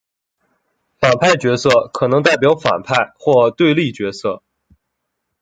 反派角色可能代表反派或对立角色。